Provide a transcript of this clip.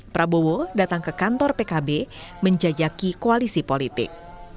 prabowo datang ke kantor pkb menjajaki koalisi politik